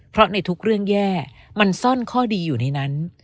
เพราะในทุกเรื่องแย่มันซ่อนข้อดีอยู่ในนั้น